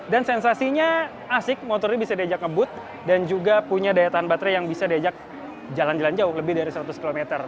dan sensasinya asik motor ini bisa diajak ngebut dan juga punya daya tahan baterai yang bisa diajak jalan jalan jauh lebih dari seratus km